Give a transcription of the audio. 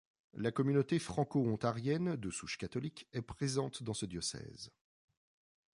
La communauté franco-ontarienne, de souche catholique, est présente dans ce diocèse.